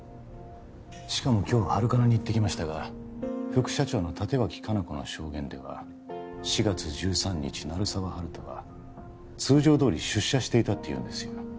しかも今日ハルカナに行ってきましたが副社長の立脇香菜子の証言では４月１３日鳴沢温人は通常どおり出社していたって言うんですよ